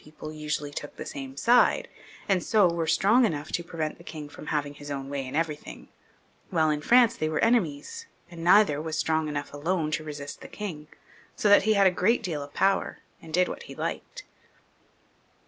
• people usually took the same side, and so were strong enough to prevent the king from having his own way in everything; while in France they were enemies, and neither was strong enough alone to resist the king, so that he had a great deal of power, and did what he liked.